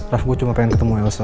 raff gue cuma pengen ketemu yelza